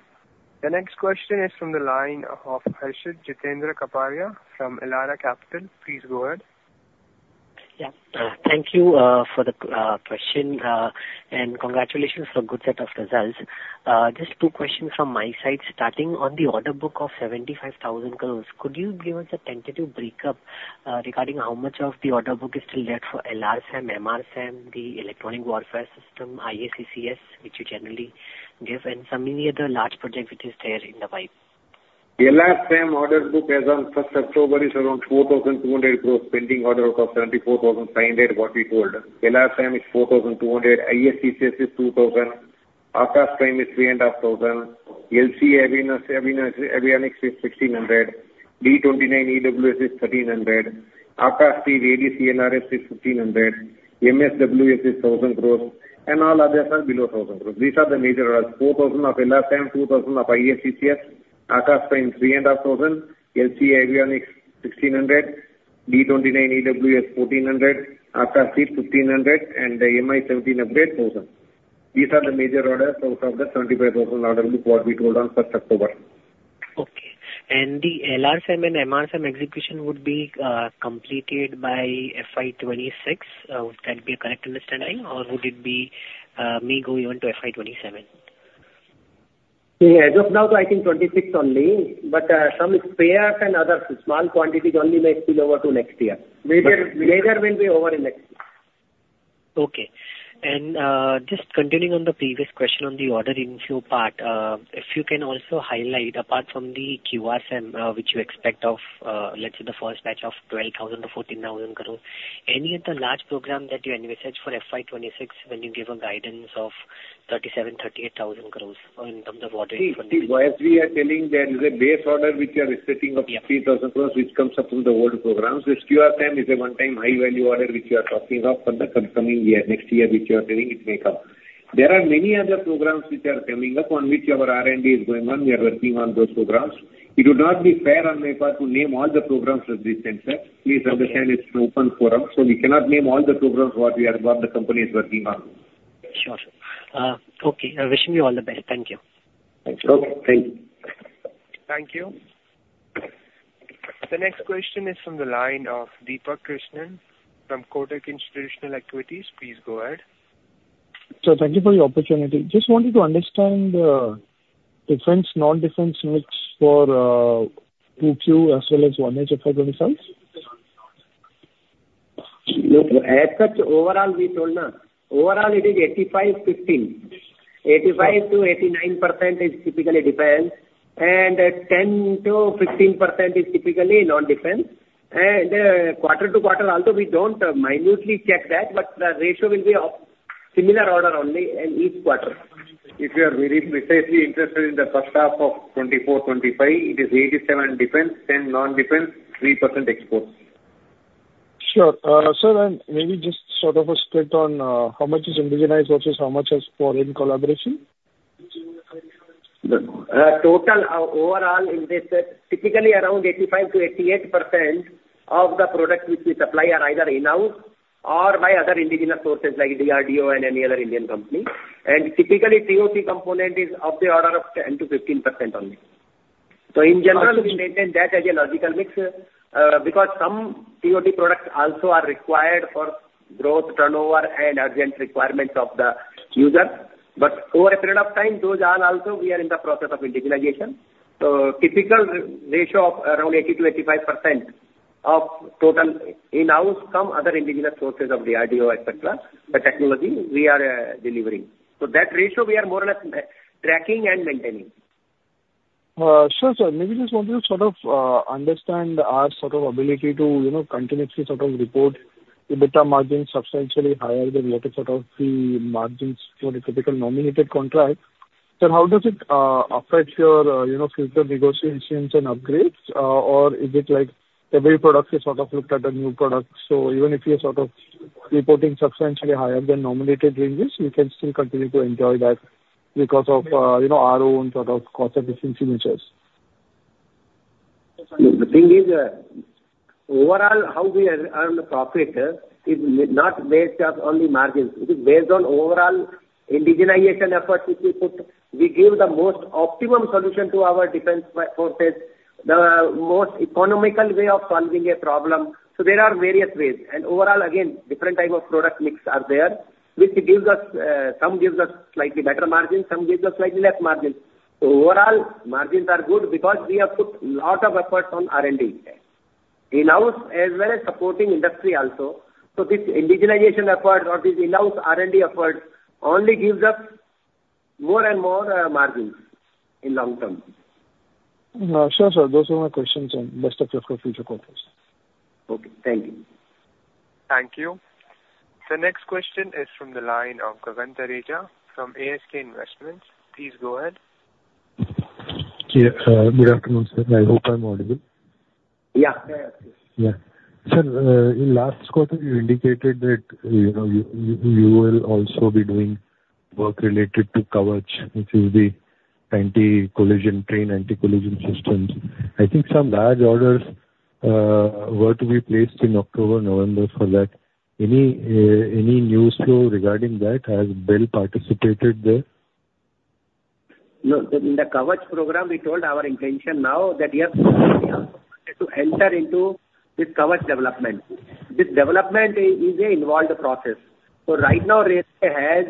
The next question is from the line of Harshit Jitendra Kaparia from Elara Capital. Please go ahead. Yeah. Thank you for the question and congratulations for good set of results. Just two questions from my side. Starting on the order book of 75,000 crores, could you give us a tentative breakup regarding how much of the order book is still there for LRSAM, MRSAM, the electronic warfare system, IACCS, which you generally give, and some any other large project which is there in the pipe? The LRSAM order book as on first October is around 4,200 crores, pending order of 74,500 crores, what we told. LRSAM is 4,200 crores, IACCS is 2,000 crores, Akash Prime is 3,500 crores, LCA Avionics is 1,600 crores, D-29 EWS is 1,300 crores, Akashteer ADC&RS is 1,500 crores, MAWS is 1,000 crores, and all others are below 1,000 crores. These are the major ones. 4,000 crores of LRSAM, 2,000 crores of IACCS, Akash Prime 3,500 crores, LCA Avionics 1,600 crores, D-29 EWS INR 1,400 crores, Akashteer 1,500 crores, and the Mi-17 upgrade, 1,000 crores. These are the major orders out of the 75,000 crores order book, what we told on first October. Okay. And the LRSAM and MRSAM execution would be completed by FY 2026? Would that be a correct understanding, or would it be may go even to FY 2027? Yeah, as of now, I think 26 only, but, some spares and other small quantities only may spill over to next year. Major, major will be over in next year. Okay. And just continuing on the previous question on the order inflow part, if you can also highlight, apart from the QRSAM, which you expect of, let's say the first batch of 12,000 crore-14,000 crore, any other large program that you envisage for FY 2026, when you gave a guidance of 37,000 crores-38,000 crores, in terms of order? See, as we are telling, there is a base order which we are expecting- Yeah. Of 50,000 crores, which comes up from the old programs. This QRSAM is a one-time high-value order, which we are talking of for the coming year, next year, which we are telling it may come. There are many other programs which are coming up on which our R&D is going on. We are working on those programs. It would not be fair on my part to name all the programs at this juncture. Please understand, it's an open forum, so we cannot name all the programs what we are, what the company is working on. Sure, sir. Okay, I wish you all the best. Thank you. Thank you. Okay, thank you. Thank you. The next question is from the line of Deepak Krishnan from Kotak Institutional Equities. Please go ahead. Sir, thank you for the opportunity. Just wanted to understand, defense, non-defense mix for 2Q as well as 1HF for 2027. As such, overall, we told now, overall it is 85-15. 85%-89% is typically defense, and 10%-15% is typically non-defense. And quarter to quarter, although we don't minutely check that, but the ratio will be of similar order only in each quarter. If you are very precisely interested in the first half of 2024-2025, it is 87% defense, 10% non-defense, 3% exports. Sure. Sir, then maybe just sort of a split on, how much is indigenized versus how much is foreign collaboration? The total overall in this typically around 85%-88% of the products which we supply are either in-house or by other indigenous sources like the DRDO and any other Indian company. And typically, ToT component is of the order of 10%-15% only. So in general, we maintain that as a logical mix because some ToT products also are required for growth, turnover, and urgent requirements of the user. But over a period of time, those are also we are in the process of indigenization. So typical r-ratio of around 80%-85% of total in-house or other indigenous sources of the DRDO, et cetera, the technology we are delivering. So that ratio we are more or less monitoring and maintaining. Sure, sir. Maybe just want to sort of understand our sort of ability to, you know, continuously sort of report EBITDA margins substantially higher than what is sort of the margins for a typical nominated contract. So how does it affect your, you know, future negotiations and upgrades? Or is it like every product is sort of looked at a new product, so even if you are sort of reporting substantially higher than nominated ranges, you can still continue to enjoy that because of, you know, our own sort of cost efficiency measures? The thing is, overall, how we earn the profit, is not based on only margins. It is based on overall indigenization efforts which we put. We give the most optimum solution to our defense forces, the most economical way of solving a problem. So there are various ways, and overall, again, different type of product mix are there, which gives us some slightly better margins, some slightly less margins. So overall, margins are good because we have put lot of efforts on R&D in there, in-house as well as supporting industry also. So this indigenization efforts or these in-house R&D efforts only gives us more and more margins in long term. Sure, sir. Those were my questions, and best of luck for future quarters. Okay, thank you. Thank you. The next question is from the line of Gagan Thareja from ASK Investment Managers. Please go ahead. Yeah, good afternoon, sir. I hope I'm audible. Yeah. Yeah. Sir, in last quarter, you indicated that, you know, you will also be doing work related to Kavach, which is the anti-collision, train anti-collision systems. I think some large orders were to be placed in October, November for that. Any news flow regarding that? Has BEL participated there? No, in the Kavach program, we told our intention now that we have to enter into this Kavach development. This development is an involved process. So right now, Railway has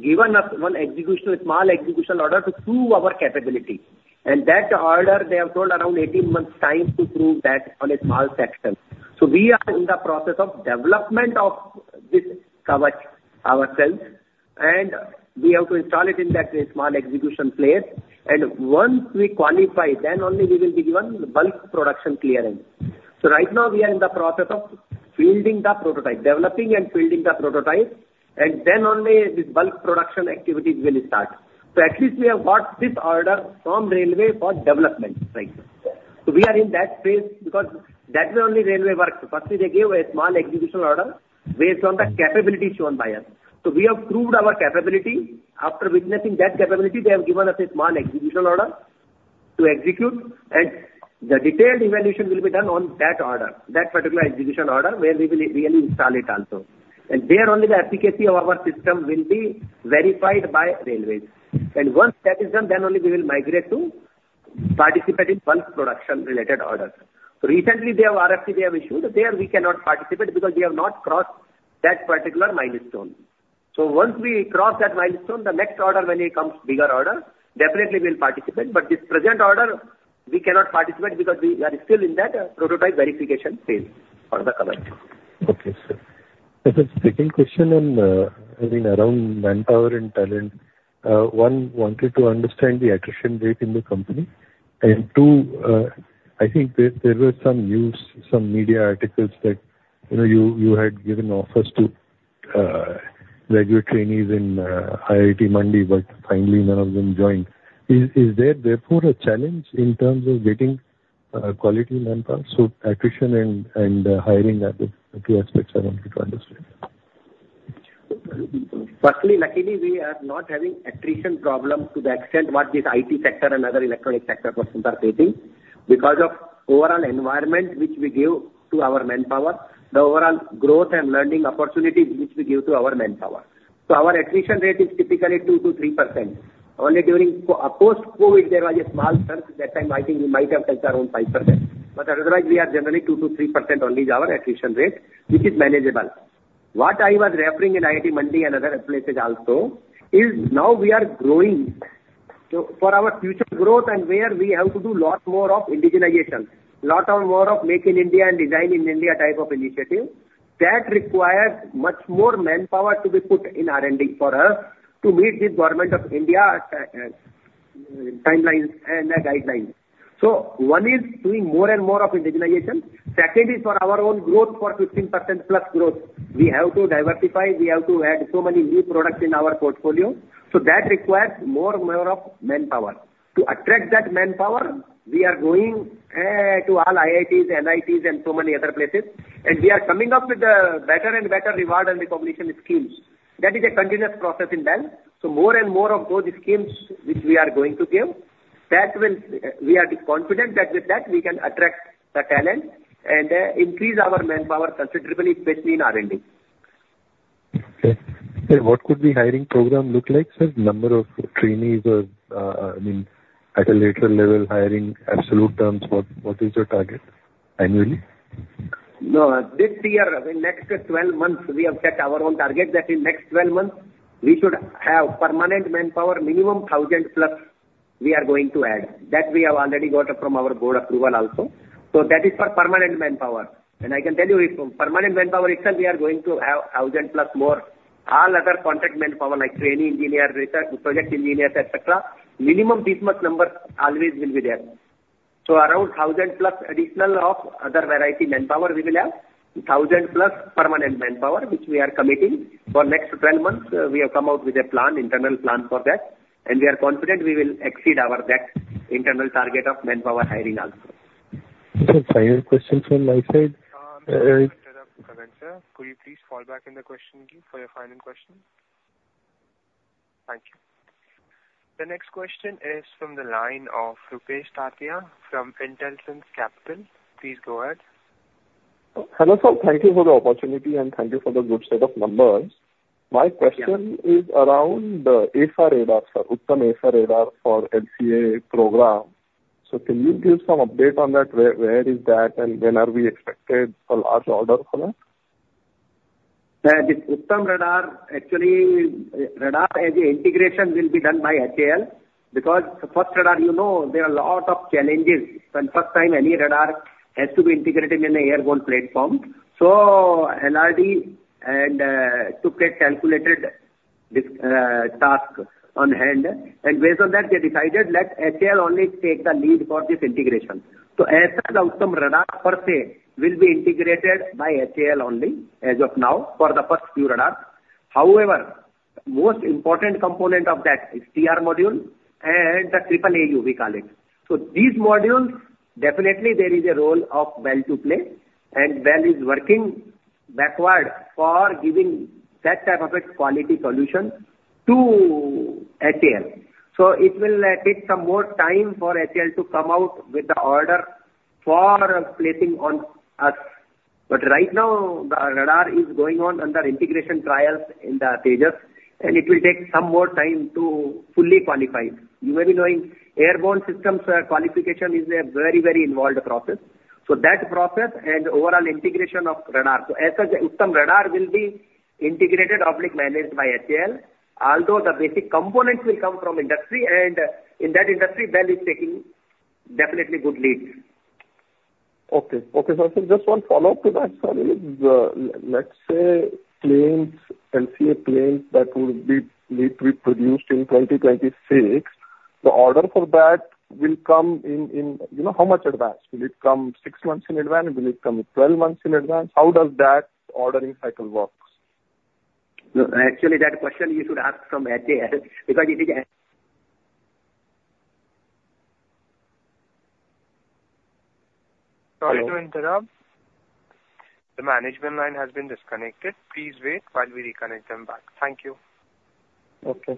given us one execution, a small execution order to prove our capability. And that order, they have told around eighteen months time to prove that on a small section. So we are in the process of development of this Kavach ourselves, and we have to install it in that small execution place. And once we qualify, then only we will be given bulk production clearance. So right now we are in the process of developing and fielding the prototype, and then only this bulk production activities will start. So at least we have got this order from Railway for development right now. So we are in that phase, because that way only Railway works. First, they give a small execution order based on the capability shown by us. So we have proved our capability. After witnessing that capability, they have given us a small execution order to execute, and the detailed evaluation will be done on that order, that particular execution order, where we will really install it also. And there only the efficacy of our system will be verified by Railways. And once that is done, then only we will migrate to participate in bulk production related orders. So recently, they have RFP, they have issued. There, we cannot participate because we have not crossed that particular milestone. So once we cross that milestone, the next order, when it comes bigger order, definitely we'll participate, but this present order, we cannot participate because we are still in that, prototype verification phase for the Kavach. Okay, sir. As a second question on, I mean, around manpower and talent, one, wanted to understand the attrition rate in the company. And two, I think there were some news, some media articles that, you know, you had given offers to regular trainees in IIT Mandi, but finally none of them joined. Is there therefore a challenge in terms of getting quality manpower, so attrition and hiring are the two aspects I wanted to understand. Firstly, luckily, we are not having attrition problems to the extent what this IT sector and other electronic sector persons are facing, because of overall environment, which we give to our manpower, the overall growth and learning opportunities which we give to our manpower. So our attrition rate is typically 2%-3%. Only during, of course, COVID, there was a small surge. That time, I think we might have touched around 5%, but otherwise, we are generally 2%-3% only is our attrition rate, which is manageable. What I was referring in IIT Madras and other places also is now we are growing. So for our future growth and where we have to do lot more of indigenization, lot of more of Make in India and Design in India type of initiative, that requires much more manpower to be put in R&D for us to meet the Government of India timelines and guidelines. So one is doing more and more of indigenization. Second is for our own growth, for 15%+ growth, we have to diversify, we have to add so many new products in our portfolio, so that requires more and more of manpower. To attract that manpower, we are going to all IITs, NITs, and so many other places, and we are coming up with better and better reward and recognition schemes. That is a continuous process in BEL. So more and more of those schemes which we are going to give, that will... We are confident that with that, we can attract the talent and increase our manpower considerably, especially in R&D. Okay. Sir, what could the hiring program look like, sir? Number of trainees or, I mean, at a later level, hiring absolute terms, what, what is your target annually? No, this year, in next 12 months, we have set our own target, that in next 12 months, we should have permanent manpower, minimum 1,000+, we are going to add. That we have already got from our board approval also. So that is for permanent manpower. And I can tell you if permanent manpower itself, we are going to have 1,000+ more, all other contract manpower, like trainee engineer, research, project engineers, etcetera, minimum this much number always will be there. So around 1,000+ additional of other variety manpower, we will have 1,000+ permanent manpower, which we are committing for next 12 months. We have come out with a plan, internal plan for that, and we are confident we will exceed our that internal target of manpower hiring also. Okay, final question from my side. Could you please fall back in the question queue for your final question? Thank you. The next question is from the line of Rupesh Tatiya from Intelsense Capital. Please go ahead. Hello, sir, thank you for the opportunity, and thank you for the good set of numbers. My question is around AESA radar, sir, Uttam AESA radar for LCA program. So can you give some update on that? Where, where is that, and when are we expected for large order for that? The Uttam radar, actually, radar as an integration will be done by HAL, because the first radar, you know, there are a lot of challenges when first time any radar has to be integrated in an airborne platform. So LRDE and took a calculated task on hand, and based on that, they decided, let HAL only take the lead for this integration. So as the Uttam radar per se, will be integrated by HAL only as of now, for the first few radar. However, most important component of that is TR module and the AAA, we call it. So these modules, definitely, there is a role of BEL to play, and BEL is working backward for giving that type of a quality solution to HAL. So it will take some more time for HAL to come out with the order for placing on us. Right now, the radar is going on under integration trials in the stages, and it will take some more time to fully qualify. You may be knowing airborne systems, qualification is a very, very involved process. So that process and overall integration of radar. So as such, Uttam radar will be integrated, optics managed by HAL, although the basic components will come from industry, and in that industry, BEL is taking definitely good leads. So just one follow-up to that. So, I mean, let's say planes, LCA planes, that will need to be produced in 2026, the order for that will come in, you know, how much advance? Will it come six months in advance? Will it come in 12 months in advance? How does that ordering cycle work? Actually, that question you should ask from HAL, because it is a- Sorry to interrupt. The management line has been disconnected. Please wait while we reconnect them back. Thank you. Okay.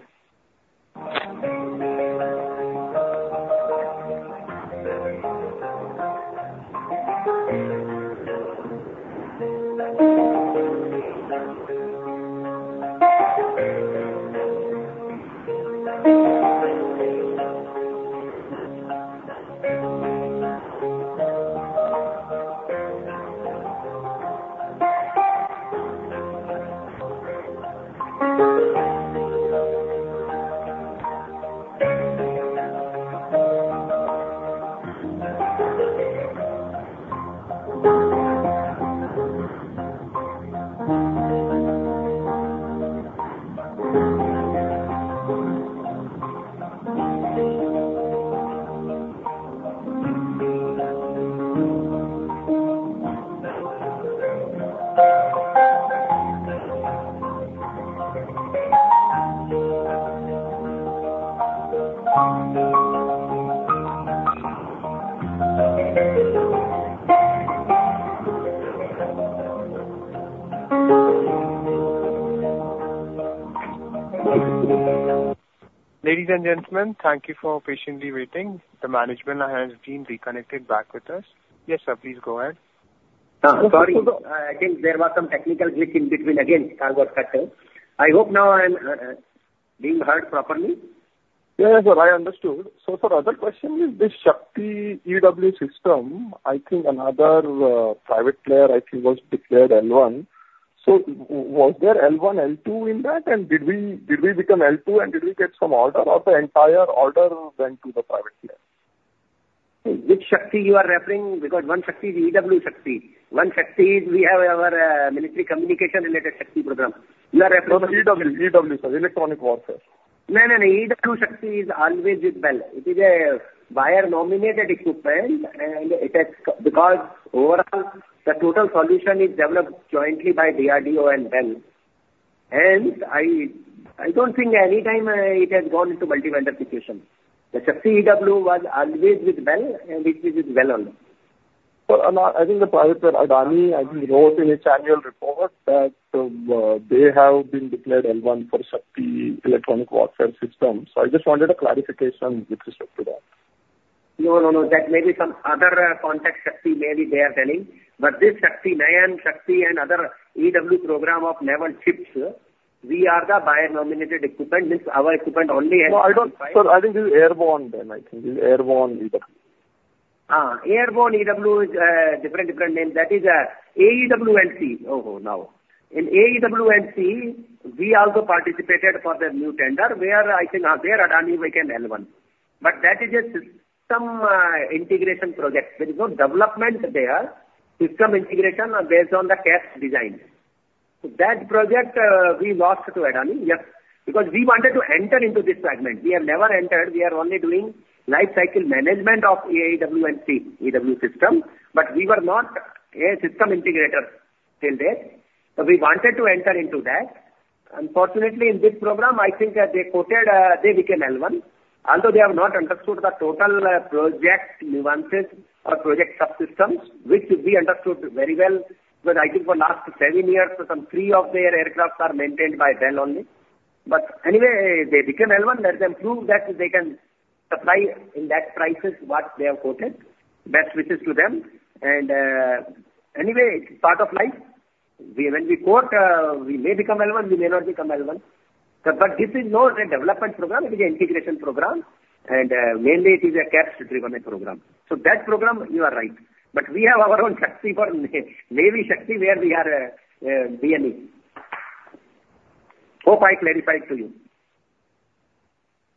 Ladies and gentlemen, thank you for patiently waiting. The management has been reconnected back with us. Yes, sir, please go ahead. Sorry, again, there was some technical glitch in between. Again, power factor. I hope now I'm being heard properly? Yeah, sir, I understood. So for other question, is this Shakti EW system, I think another private player, I think, was declared L1. So was there L1, L2 in that? And did we become L2, and did we get some order, or the entire order went to the private player? Which Shakti you are referring? Because one Shakti is EW Shakti. One Shakti is we have our military communication related Shakti program. You are referring to- No, EW, EW, sir. Electronic warfare. No, no, no. EW Shakti is always with BEL. It is a buyer-nominated equipment, and it has, because overall, the total solution is developed jointly by DRDO and BEL. And I don't think any time it has gone into multi-vendor situation. The Shakti EW was always with BEL, and it is with BEL only. I think the private player, Adani, I think, wrote in its annual report that they have been declared L1 for Shakti electronic warfare system. I just wanted a clarification with respect to that. No, no, no. That may be some other context Shakti maybe they are telling. But this Shakti, Nayan, Shakti and other EW program of naval ships, we are the buyer-nominated equipment. This our equipment only and- No, I don't... Sir, I think this is airborne then. I think this is airborne EW. Airborne EW is different name. That is AEW&C over now. In AEW&C, we also participated for the new tender, where I think there Adani became L1. But that is a system integration project. There is no development there, system integration are based on the CABS design. So that project we lost to Adani, yes, because we wanted to enter into this segment. We have never entered. We are only doing life cycle management of AEW&C, EW system, but we were not a system integrator till date, so we wanted to enter into that. Unfortunately, in this program, I think they quoted they became L1. Although they have not understood the total project nuances or project subsystems, which we understood very well, because I think for last seven years, some three of their aircraft are maintained by BEL only. But anyway, they became L1. Let them prove that they can supply in that prices what they have quoted. Best wishes to them. And anyway, it's part of life. We, when we quote, we may become L1, we may not become L1. But this is not a development program, it is an integration program, and mainly it is a CABS-driven program. So that program, you are right. But we have our own Shakti for Navy Shakti, where we are L1. Hope I clarified to you.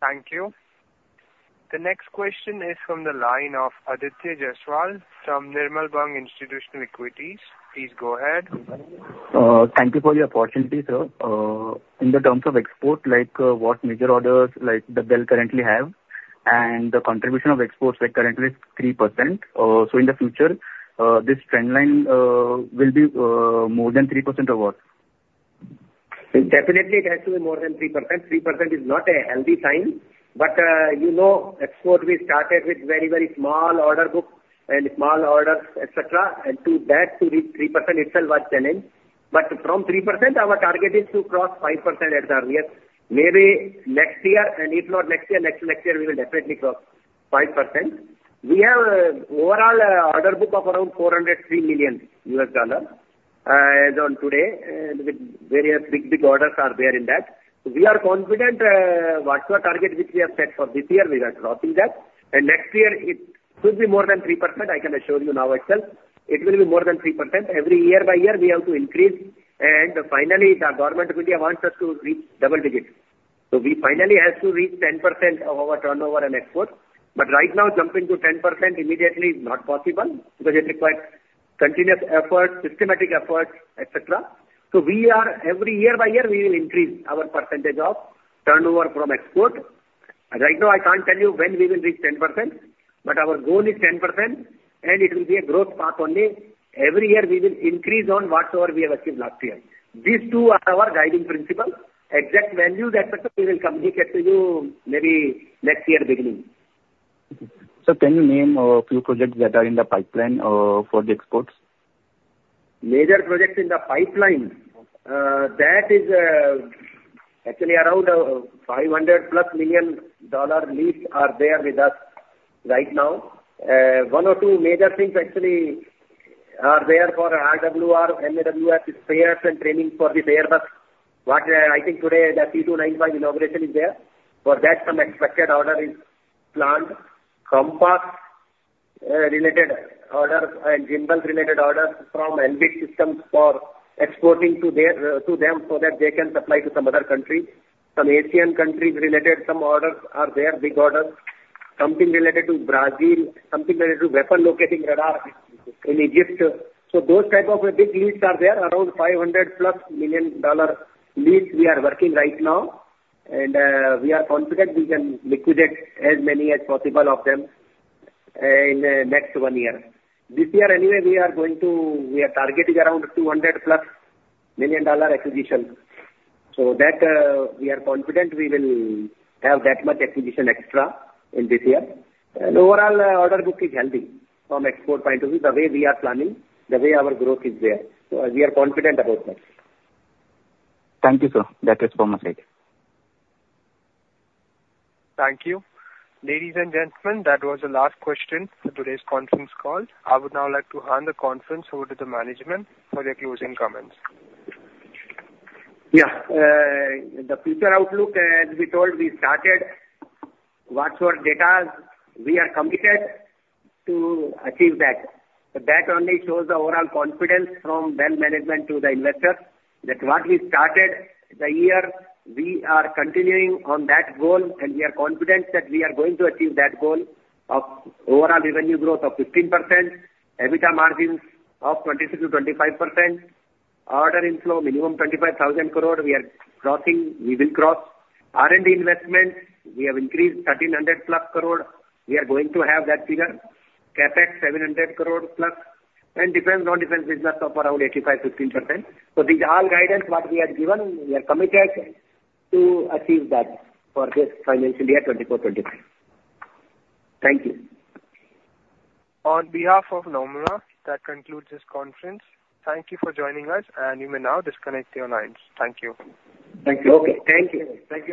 Thank you. The next question is from the line of Aditya Jaiswal from Nirmal Bang Institutional Equities. Please go ahead. Thank you for the opportunity, sir. In the terms of export, like, what major orders, like, that BEL currently have, and the contribution of exports, like, currently it's 3%. So in the future, this trend line, will be more than 3% or what? Definitely, it has to be more than 3%. 3% is not a healthy sign, but, you know, export, we started with very, very small order books and small orders, et cetera, and to that, to reach 3% itself was challenge. But from 3%, our target is to cross 5% as earliest, maybe next year, and if not next year, next, next year, we will definitely cross 5%. We have, overall, order book of around $403 million as on today, and with various big, big orders are there in that. We are confident, whatsoever target which we have set for this year, we are crossing that. And next year, it could be more than 3%, I can assure you now itself. It will be more than 3%. Every year by year, we have to increase, and finally, the government really wants us to reach double digits. So we finally have to reach 10% of our turnover and export. But right now, jumping to 10% immediately is not possible, because it requires continuous effort, systematic efforts, et cetera. So we are, every year by year, we will increase our percentage of turnover from export. Right now, I can't tell you when we will reach 10%, but our goal is 10%, and it will be a growth path only. Every year, we will increase on whatsoever we have achieved last year. These two are our guiding principle. Exact value, that we will communicate to you maybe next year beginning. Sir, can you name a few projects that are in the pipeline for the exports? Major projects in the pipeline, that is, actually around $500+ million leads are there with us right now. One or two major things actually are there for RWR, MWR, spares and training for the same. But what, I think today, the C-295 inauguration is there. For that, some expected order is planned. CoMPASS related orders and gimbal-related orders from Elbit Systems for exporting to their, to them, so that they can supply to some other countries. Some Asian countries related, some orders are there, big orders. Something related to Brazil, something related to weapon locating radar in Egypt. So those type of big leads are there, around $500 million plus leads we are working right now. And we are confident we can liquidate as many as possible of them, in next one year. This year, anyway, we are going to, we are targeting around $200+ million acquisition. So that, we are confident we will have that much acquisition extra in this year. And overall, order book is healthy from export point of view, the way we are planning, the way our growth is there. So we are confident about that. Thank you, sir. That is from my side. Thank you. Ladies and gentlemen, that was the last question for today's conference call. I would now like to hand the conference over to the management for their closing comments. Yeah. The future outlook, as we told, we started, whatsoever data, we are committed to achieve that. That only shows the overall confidence from BEL management to the investors, that what we started the year, we are continuing on that goal, and we are confident that we are going to achieve that goal of overall revenue growth of 15%, EBITDA margins of 22%-25%, order inflow minimum 25,000 crore, we are crossing - we will cross. R&D investment, we have increased 1,300+ crore. We are going to have that figure. CapEx, 700+ crore, and defense, non-defense business of around 85-15%. So these are all guidance what we have given. We are committed to achieve that for this financial year, 2024-2025. Thank you. On behalf of Nomura, that concludes this conference. Thank you for joining us, and you may now disconnect your lines. Thank you. Thank you. Okay. Thank you. Thank you.